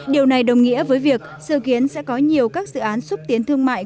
điều này đồng nghĩa với việc dự kiến sẽ có nhiều các dự án xúc tiến thương mại